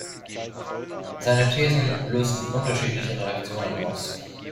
Seine Thesen lösten unterschiedliche Reaktionen aus.